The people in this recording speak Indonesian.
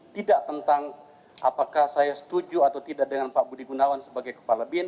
tidak tentang apakah saya setuju atau tidak dengan pak budi gunawan sebagai kepala bin